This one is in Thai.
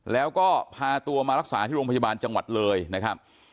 แล้วก็พาตัวมารักษาที่โรงพยาบาลจังหวัดเลยนะครับ